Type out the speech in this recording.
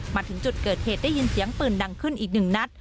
มาถึงจุดเกิดเหตุได้ยินเสียงปืนดังขึ้นอีกหนึ่งนัด